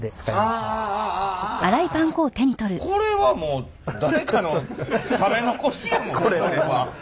これはもう誰かの食べ残しやもん。